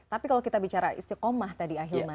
tapi kalau kita bicara istiqomah tadi ahilman